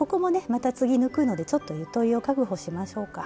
また次抜くのでちょっとゆとりを確保しましょうか。